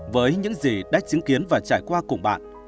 với những gì đã chứng kiến và trải qua cùng bạn